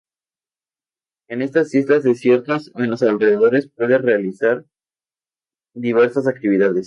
En estas islas desiertas o en los alrededores puede realizar diversas actividades.